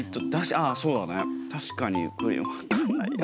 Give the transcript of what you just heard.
ああそうだね。